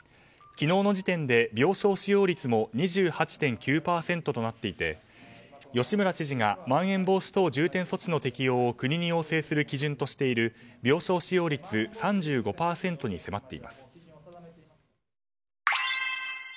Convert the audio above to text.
昨日の時点で病床使用率も２８．９％となっていて吉村知事がまん延防止等重点措置の適用を国に要請する基準としている病床使用率３５％に迫っています。